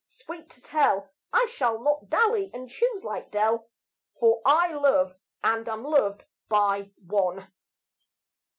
sweet to tell, I shall not dally and choose like Dell, For I love and am loved by one.